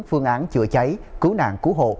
phương án chữa cháy cứu nạn cứu hộ